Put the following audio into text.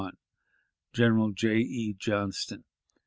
"General J. E. Johnston.